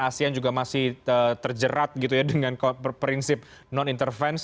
asean juga masih terjerat gitu ya dengan prinsip non intervensi